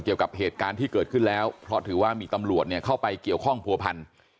เกี่ยวกับเหตุการณ์ที่เกิดขึ้นแล้วเพราะถือว่ามีตำรวจเข้าไปเกี่ยวข้องผัวพัน